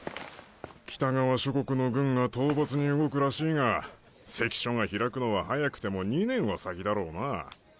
北側諸国の軍が討伐に動くらしいが関所が開くのは早くても２年は先だろうな。